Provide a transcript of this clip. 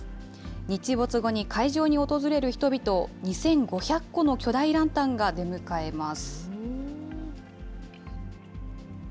日没後に会場に訪れる人々を２５００個の巨大ランタンが出迎えます。